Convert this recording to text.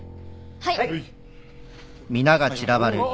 はい。